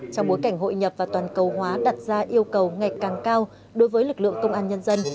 trong bối cảnh hội nhập và toàn cầu hóa đặt ra yêu cầu ngày càng cao đối với lực lượng công an nhân dân